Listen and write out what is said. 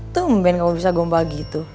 tumben kamu bisa gompa gitu